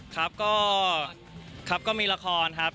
ครับก็ครับก็มีละครครับ